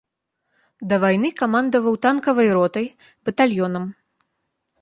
Да вайны камандаваў танкавай ротай, батальёнам.